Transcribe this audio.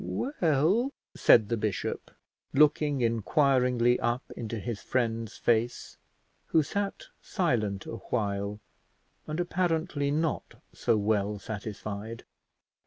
"Well," said the bishop, looking inquiringly up into his friend's face, who sat silent awhile, and apparently not so well satisfied.